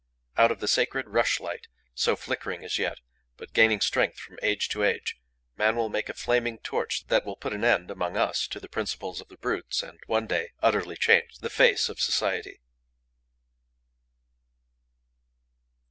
Out of the sacred rushlight, so flickering as yet, but gaining strength from age to age, man will make a flaming torch that will put an end, among us, to the principles of the brutes and, one day, utterly change the face of society.